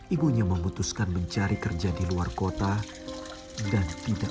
ibunya memutuskan mencari kerja di luar rumahnya